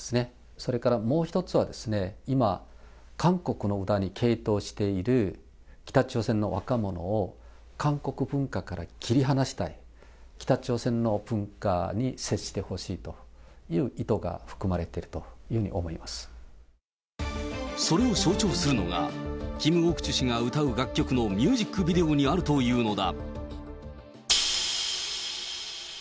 それからもう一つは、今、韓国の歌に傾倒している北朝鮮の若者を韓国文化から切り離したい、北朝鮮の文化に接してほしいという意図が含まれているというふうそれを象徴するのが、キム・オクチュ氏が歌う楽曲のミュージックビデオにあるというのだ。